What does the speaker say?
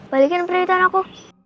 balikin perintah aku